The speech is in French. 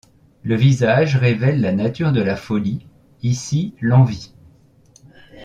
Le visage révèle la nature de la folie, ici l’envie.